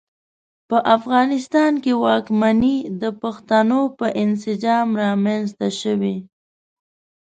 په افغانستان کې واکمنۍ د پښتنو په انسجام رامنځته شوې.